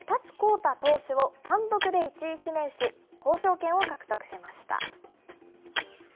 太投手を単独で１位指名し、交渉権を獲得しました。